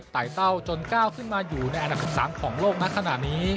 ไต้เต้าจนก้าวขึ้นมาอยู่ในอนาคตสามของโลกนะขนาดนี้